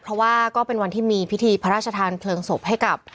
เพราะว่าก็เป็นวันที่มีพิธีพระราชทานเพลิงศพให้กับ